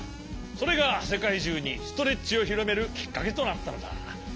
それがせかいじゅうにストレッチをひろめるきっかけとなったのだ。